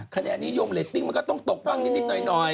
คะแหน่งนิยมโลกที่ต้องตกตั้งนิดหน่อย